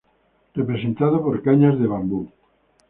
Representado por cañas de bambú.